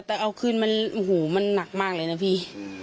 แต่เอาคืนอุ้งหูมันนักมากเลยนะพี่